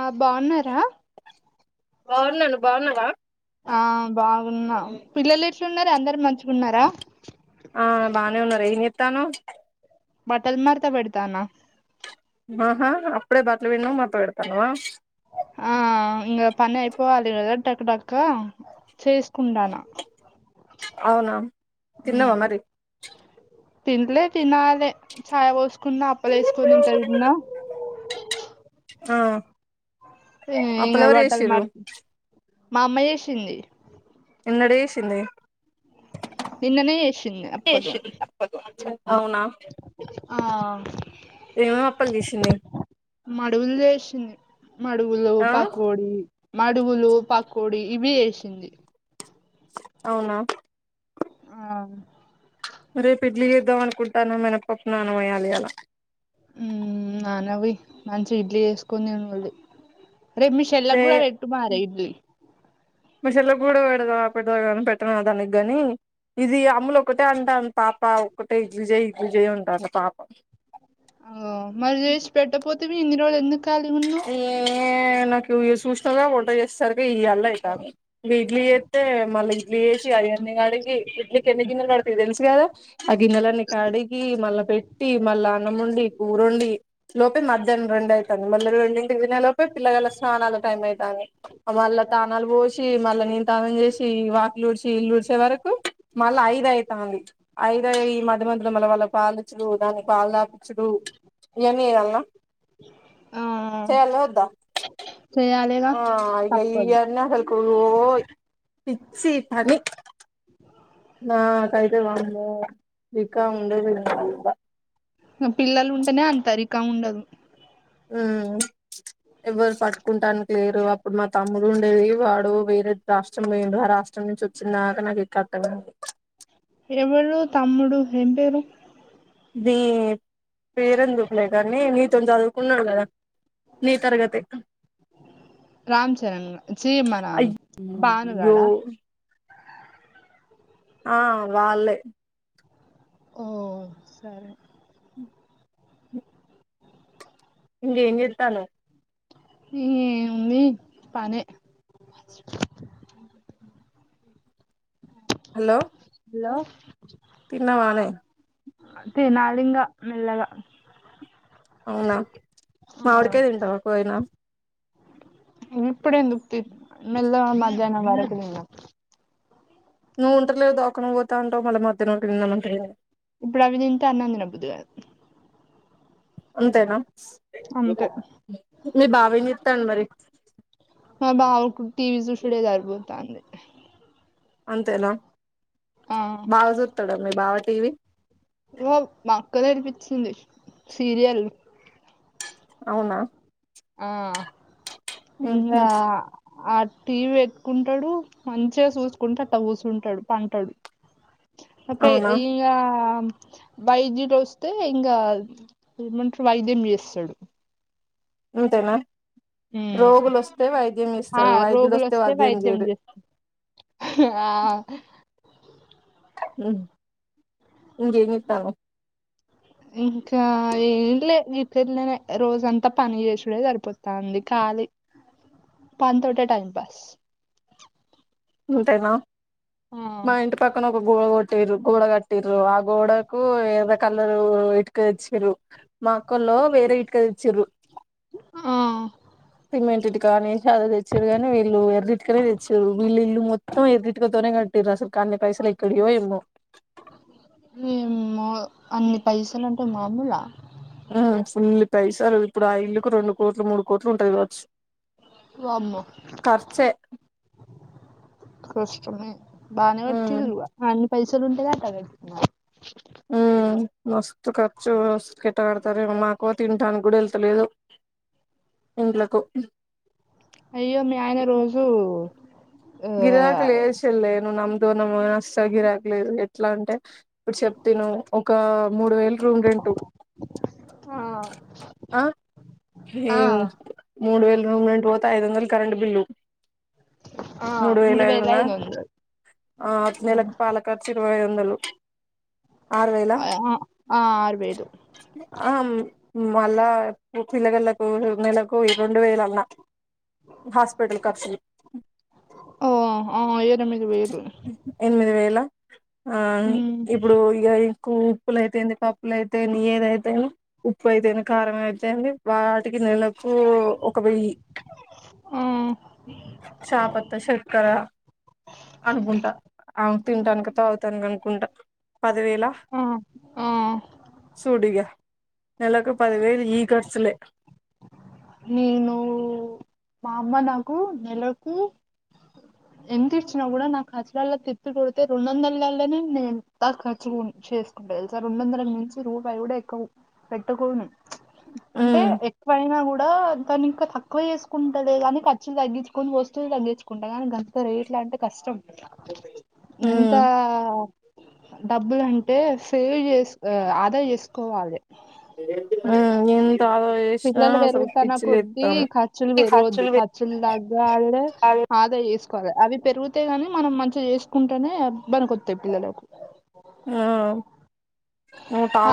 ఆ బాగున్నారా బాగున్నాను బాగున్నావా ఆ బాగున్నా పిల్లలు ఏట్లున్నారు అందరు మంచిగున్నారా ఆ బాగానే ఉన్నారు. ఏం చెత్తన్నావ్ బట్టలు మార్త పెడతాన్న ఆహా అప్పుడే బట్లలు పిండినం మార్తా పెడతాన్నవా ఆ ఇంగా పని అయిపోవలి కద టక టక్క చేస్ కుంటన్న అవునా తిన్నవా మరి తినలే తినాలే చాయ పోసుకున్న అప్పలేసుకొని ఇంత తిన్నా ఆ అప్పలు ఇంగా ఎవరు బట్టలు చేసిర్రు మట్త మా అమ్మా చేసింది. ఎన్నడూ చేసింది నిన్ననే చేసింది అప్పలు అవునా ఆ ఏమేం అప్పలు చేసింది. మడుగులు చేసింది మడుగులు ఆ పకోడి మడుగులు పకోడి ఇవి చేసింది అవునా ఆ రేపు ఇడ్లీ చేద్దాం అనుకుంటాన్న మీనపప్పు నాన పోయాలి ఇయాలా ఉ నాన ఓయ్ మంచి ఇడ్లీ చేసుకోని తీనుర్రి ఏ ఇడ్లీ చెల్లకు కుడ పెడతవ అప్ప [unintelligible] పెట్టన దానికిగాని ఇది అమ్ములు ఒకటే అంటంది. పాప ఒక్కటే ఇడ్లీజయ్ ఇడ్లీజయ్ అంటోంది. పాప ఓ మరి చేసి పెట్టపోతవి ఇన్ని రోజులు ఎందుకు ఖాళీగా ఉన్నావ్ ఏ నాకు నువ్వు ఇగ చూసినావుగా వంట చేసేసరికి ఈయాళ్ళ అయితంది. ఇగ ఇడ్లీ చేస్తే మళ్ళీ ఇడ్లీ చేసి అయాన్నీ అడిగి ఇడ్లికి ఎన్ని గిన్నెలు పాడుతయి తెలుసు గాదా ఆ గిన్నెలని కడిగి మళ్ళా పెట్టి మళ్ళా అన్నం వండి కుర వండి లోపే మధ్యాహ్నం రెండు అయి తంది మల్ల రెండు ఇంటికి తిన లోపే పిల్ల గల్లా స్నానాల టైం అవుతాంది. మళ్ళ తానాలు పోసి మళ్ళా నేను తానం చేసి ఇ వాకిలుడ్చి ఇల్లుడ్సే వరకు మళ్ళ ఐదు అయి తంది ఐదయి ఈ మధ్యమధ్యాల మల్ల వాళ్ళ పాలిచ్చుడు దాన్ని పాల తాపిచ్చుడు ఇయన్ని చేయల్నా ఆ చేయాల వద్ద చేయాలిగా ఆ ఇగ తప్పదు ఇయన్నీ అసల్కు లో ఓ ఇచ్చి పని నా కైతే వామ్మో దిక్కా ఉండేది ఇంగ ఇక పిల్లలు ఉంటేనే అంతరికం ఉండదు హుమ్ ఎవ్వరు పట్టుకుంటానికి లేరు అప్పుడు మా తమ్ముడు ఉండేది వాడు వేరే రాష్ట్రం పోయిండు ఆ రాష్ట్రం నుంచి వచ్చినాక నాకు ఈ కట్టగా ఎవరూ తమ్ముడు ఏం పేరు అదీ పేరెందుకులే కానీ నీతో చదువుకున్నాడు కదా నీ తరగతేగా రామ్ చరణ్ చీమ రామ్ అయ్యో పాండుగాడ ఆ వాళ్ళే ఓ సరే ఇంకేం జేత్తన్నవ్ ఏముంది పనే హలో హలో తిన్నావా తిన్నవానే తినాలింగ మెల్లగా అవునా మావిడికాయ్ తింటావా కోయినా ఇప్పుడు ఎందుకు తియ్ మెల్లగా మధ్యానం కాడ తిందం నువ్వు ఉంటలేవ్ దోకన పోత అంటావ్ మళ్ళ మధ్యనం తిందమంటున్నవ్ ఇప్పుడు అవి తింటే అన్నం తినబుద్ధి గాదు అంతేనా అంతే మీ బావెం జెత్తండు మరీ మా బావకు టీవీ చూశుడే సరిపోతాంది అంతేనా ఆ బాగా చూత్తాడా మీ బావ టీవీ ఓ మా అక్క దగ్గర చింది సీరియల్ అవునా ఆ ఇంగా ఉహు ఆ టీవీ ఎట్టుకుంటాడు మంచిగా చూసుకుంట అట్ట కుసుంటడు పంటడు అపే అవునా ఇంగా వైద్యుడు వస్తే ఇంగా ఏమంటరు వైద్యం చేస్తడు అంతేనా రోగులొస్తే వైద్యం ఆ ఇస్తడు వైద్యుడోస్తే వైద్యం చేయడు హుమ్ ఆ ఇంగేం ఇత్తావ్ ఇంకా ఏం లే [unintelligible] రోజంతా పని చేసుడే సరిపోతాంది కా అది పన్ తోటే టైం పాస్ అంతేనా మా ఇంటి పక్కన ఒక గోడ కొట్టిరు గోడ కట్టి రూ ఆ గోడకు ఏదొ కలరు ఇట్కతెచ్చిరు మా అక్కోల్లు వేరే ఇటుక చిర్రు ఆ సిమెంట్ ది కానీ చదుతెచ్చిరు కాగానీ వీళ్ళు ఎర్ర ఇటుకనే తెచ్చిరు వీళ్ళు ఇల్లు మొత్తం ఎర్రిటుక తోనే కట్టిర్రు అసల్ గన్ని పైసుల ఎక్కడియో ఏమో హుమ్ అమ్మో అన్ని పైసలంటే మామూలా ఆ ఫుల్లి పైసల్ ఇప్పుడు ఆ ఇల్లుకి రెండు కోట్లు మూడు కోట్లు ఉంటది కావచ్చు వామ్మో ఖర్చే కష్టమే బానే ఉమ్ పట్టిన్రుగా అన్ని పైసలు ఉంటే కతున్నారు [unintelligible] ఉమ్ మస్తు ఖర్చు స్కెట్ ఆడతారెమో మాకు తింటానికి కూడా వెళ్తలేదు ఇండ్లకు అయ్యో మీ ఆయన రోజు గిరాకులు లేదు చెల్లే నువ్ నమ్ముతావో నమ్మవో అసలు గిరాకి లేదు ఎట్లా అంటే ఇప్పుడు చెప్తను ఒక మూడు వేల రూమ్ రెంటు ఆ హెమ్ మూడు వేలు రూమ్ రెంట్ పోత్ ఐదు వందలు కరెంట్ బిల్లు ఆ మూడు వేలు వేల అయినా ఐదు వందలు ఆ నెలకు పాలకర్చు ఇరవై వందలు. ఆరు వేలా ఆ ఆరు వేలు ఆ మళ్లా పిల్లగాళ్లకు నెలకు రెండు వేలన్నా హాస్పిటల్ ఖర్చులు ఓ ఓ ఎనిమిది వేలు వేలా ఆ ఇప్పుడు ఇగ కు ఉప్పులు అయితేంది పప్పులు అయితే నీ ఏదైతే ఏమి ఉప్పు అయితే ఏమి కారం అయితే ఏంది వాటికి నెలకు ఒక వెయ్యి పకంపప్పు కదా అనుకుంట ఆమె తింటానికి తాగుతానికి అనుకుంటా పదివేలా. ఆ ఆ చూడు ఇగ నెలకు పదివేదు ఈ ఖర్చులే నీను మా అమ్మ నాకు నెలకు ఎంత ఇచ్చినా కూడా నా ఖర్చులలో తిప్పికొడితే రెండువందలల్లోనే నేను ఖర్చుగును చే చేస్కుంటా తెలుసా రెండు వందలకి మించి రూపాయి కూడా ఎక్కవ పెట్టుకోను చ్ అంటే ఉమ్ ఎక్కువైనా కూడా దాని ఇంకా తక్కువ చేసుకుంటలే గానీ ఖర్చులు తగ్గించుకొని వొస్తే తగ్గించుకుంటా కాని అంత రేట్లా అంటే కష్టం ఉమ్ గంతా డబ్బులంటే సేవ్ చేస్ ఆదా చేసుకోవాలి ఉమ్ ఎంత ఆదా చేసినా పిల్లలు అసలు పెరుగుతన్న కొద్ది పిచ్చిలేత్తాంది ఖర్చులు ఈ పెరగద్దు పె ఖర్చులు తగ్గలే ఆ ఆదయ ఏసుకోవాలి అవి పెరుగుతే గాని మనం మంచిగా చేసుకుంటేనే బనికొత్తాయి పిల్లలకు. ఆ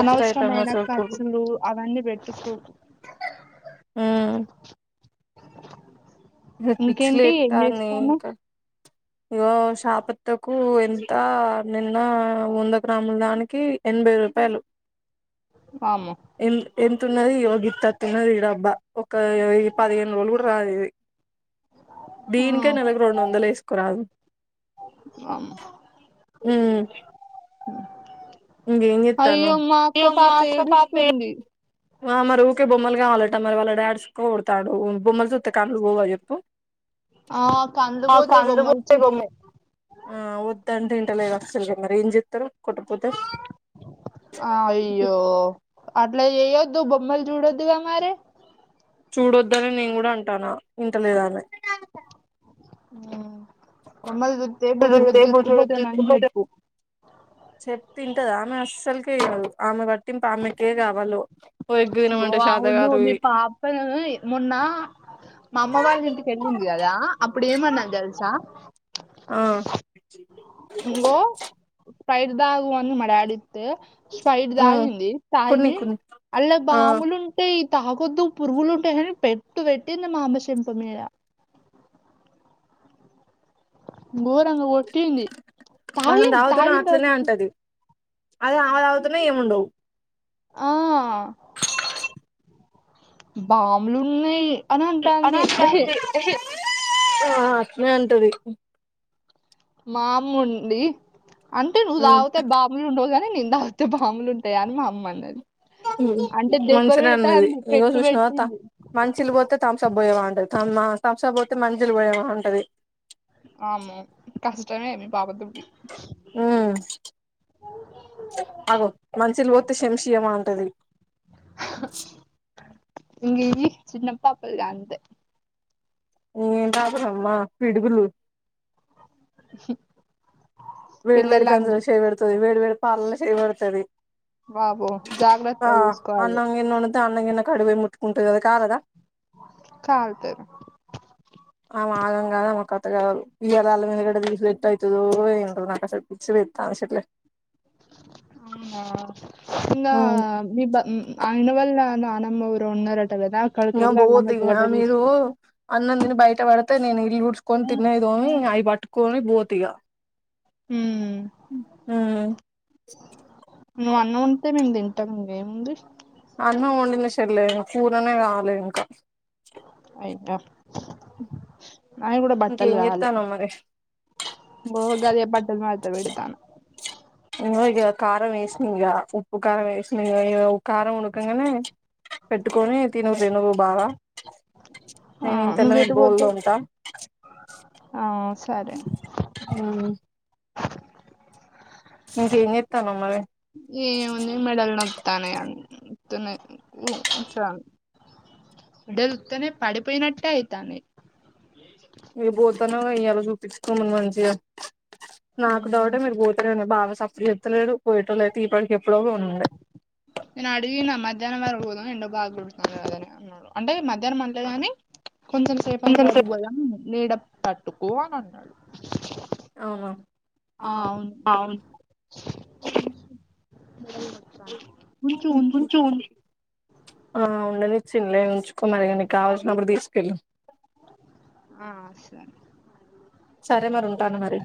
అనవసరమైన ఖర్చులు అవన్నీ పెట్టుకోకు ఊ మీ ఇంకేంటి ఏం పిచ్చిలేస్తాంది చేస్తాన్నవ్ ఇంకా ఇగో శాపత్తకు ఎంత నిన్న వంద గ్రాముల దానికి ఎన్ ఎనబై రూపాయలు వామ్మో ఎంత్ ఎంతున్నది ఓ గి తున్నది ఈ డబ్బా ఒక పదిహేను రోజులు కూడా రాదు ఇది. దీనికే నెలకు రెండు ఆ వందలేస్కో కురాదు వామ్మో ఉ ఉ ఇంగా ఏం చెత్తన్నావ్ ఏడుస్తుంది మరి ఊకే బొమ్మలు కావాలంట మరి వాళ్ళ డాడ్ తాడు బొమ్మలు జుత్తే కండ్లు పోవ చొప్పు ఆ కండ్లు పోతాయి బొమ్మలు చూత్తే బొమ్మలు ఆ వద్దంటే ఇంటలేదు అసలు మరి ఏం చేతారు ఆహ్ అయ్యో అట్లా చెయ్యొద్దు. బోమ్మల్ చూడొద్దు కదా మరి. ఇప్పుడు వద్దాని నేను కూడా అంటాను వింటలేదామే. ఆహ్మ్ బొమ్మల్ జుత్తే బుచోడు కుదిరితే వచ్చి బుజ్జోడు ఎతకపోతాడు అని తీసుకుపోతే చెప్పు. చెప్తే వింటద ఆమె అస్సలుకే ఇనాదు ఆమె పట్టింపు ఆమెకే కావాలో. ఓ ఎగ్ ఓ తినమంటే శాత అవును కాదు మీ పాపను మొన్న. మా అమ్మ వాళ్ళ ఇంటికెళ్ళింది కదా అప్పుడు ఏమన్నది తెలుసా. ఆహ్. ఇంగో సైడ్ భాగం అంతా మా డాడీ. అయితే స్ప్రైట్ తాగింది. కొన్నీ తాగి కొన్నీ అళ్లా ఆ బాములు ఉంటాయి. తాగోద్దు పురుగులు ఉంటాయి అనీ పెట్టు పెట్టింది మాఅమ్మ చెంప మీద. గోరంగా కోట్టింది మనం తాగింది తాగుతున్నా తాగి అ. అట్లనే అంటది అదే ఆమె తాగితేనే ఏముండవు. ఆహ్ బాములు ఉన్నాయి. అని అంటాంది ఆహ్ అట్లనే అంటది. మాఅమ్మ ఉండి అంటే నువ్వు తాగితే బాములు ఉండవు కానీ. అయితే నేను తాగితే బాములు ఉంటాయి అని మా అమ్మ అన్నది. ఉమ్ అంటే దెబ్బ మంచిగనే పెడతా అన్నది అంది ఇగో పెట్టి చూసినవాత్త. పెట్టింది మంచినీళ్లు పోతే తంసప్ పోయవా అంటది తం ఆహ్ తంసాప్ పోతే మంచినీళ్లు పోయావా అంటది. అమ్మో కష్టమే మీ పాప తోటి. ఆహ్. అగో మంచినీలు పోస్తే చెంచా ఇయ్యవా అంటది. ఆహ్ ఉమ్. చిన్నపాపలంతే. ఏం పాపనమ్మా పిడుగులు. ఉమ్. వేడి వేడి గంజి లో చెయ్యి పెడతాది వేడి వేడి పాలలో చెయ్యి పెడతాది. బాబో జాగ్రత్తగా ఆహ్ చూసుకోవాలి అన్నం గిన్న వండితే అన్నంగీనే. కడివే ముట్టుకుంటది అది కాలదా. కాల్తది. ఆమె ఆగం కాదు అమే కథ కాదు ఇయళ్ళ అల్లం ఎల్లిగడ్డ తీసిన ఎట్ల అయితదో ఏముంటాదో నాకు అసలు పిచ్చి లేసు. ఎంత ఆశట్లే. అవునా ఆహ్ అవున మీ బంద్ ఆహ్. ఆ ఇంట్లో వాళ్ళ నాన్నమ్మ ఎవరో ఉన్నారట. కదా అక్కడికి ఇంకా ఆమె వెళ్ళి అల్లం పోతే ఇంకా ఎర్రగడ్డ మీరు తీసుకో అన్నం తిని బయట పడితే నేను ఇల్లు ఉడ్చుకొని తిన్నవి తోమి. అయి పట్టుకోని బోత ఇగా. ఉమ్. అవునా. నువ్వు అన్నవంటే మేము తింటాం ఇంక ఏముంది. అన్నం వండిన్లే చెల్లే కూరనే కావాలి ఇంకా. ఆహ్. నావి కూడా బట్టలు ఇంకేం కావాలి చేత్తన్నవ్ మరి ఓ గది బట్టలు మడతాబెట్టీ. తను. ఇగో ఇంకా కారం వేసిన ఇకా ఉప్పు కారం వేసిన ఇగ కారం ఉడకంగనే. పెట్టుకొని తిను నువ్వు తీనువు బాగా. ఆ మేము నువ్వు ఇంతలోనే ఎటు బోల్ పోతావ్ తోముతాం ఆ సరే ఉమ్ ఇంకేం చేత్తన్నావ్ మరీ ఏము ఉంది మెడల్ నొత్తానయి గాని వత్తున్నాయి అడలుత్తనే పడిపోయినట్టే అయితనై ఏ బోతనవా ఇయాల చూపిచ్చుకొని మంచిగ నాకు డౌట్ మీరు పోతేడి బావ సఫ్ ఎత్తలేడు పోయటం లేదు. తీపడికి ఎప్పుడో ఉండే నేను అడిగిన మధ్యాహ్నం వరకు పోదాం. ఎండ బాగొడుతున్నా కదని అన్నాడు. అంటే మధ్యాహ్నం అంలేగాని కొంచెం సేపైనా తరువాత పోదాం. నీడ పట్టుకో అని అన్నాడు. అవునా ఆ అవును లు నప్పడ్రా ఆ కొంచెం ఉంది ఆ ఉండనిచ్చిలే ఉంచుకో మరిగా నీ కావాల్సినప్పుడు తీసుకెళ్ళి ఆ సర సరే మరి ఉంటాను మరి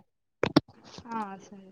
ఆ సరే